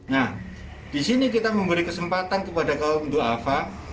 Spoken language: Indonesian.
nah disini kita memberi kesempatan kepada kaum duafa